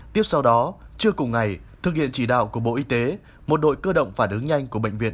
tiếp sau đó chưa cùng ngày thực hiện chỉ đạo của bộ y tế một đội cơ động phản ứng nhanh của bệnh viện